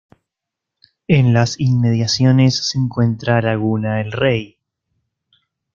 En las inmediaciones se encuentra laguna El Rey.